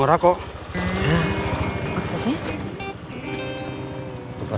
menurut apa pak